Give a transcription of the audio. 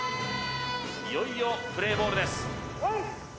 いよいよプレイボールです